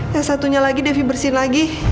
yang satunya lagi devi bersin lagi